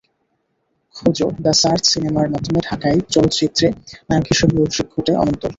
খোঁজ-দ্য search সিনেমার মাধ্যমে ঢাকাই চলচ্চিত্রে নায়ক হিসেবে অভিষেক ঘটে অনন্তর।